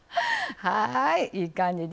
はいいい感じです。